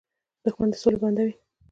دښمن د سولې بنده وي